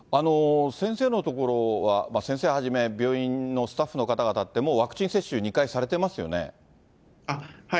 先生の所は先生はじめ、病院のスタッフの方々って、もうワクチン接種って２回されてますよね？